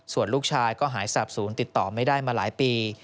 ส่วนลูกชายก็หายสาบศูนย์ติดต่อไม่ได้มาหลายปี